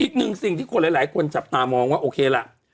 อีกหนึ่งสิ่งที่คนหลายคนจับตามองว่าโอเคล่ะ